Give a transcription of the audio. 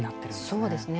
そうですね。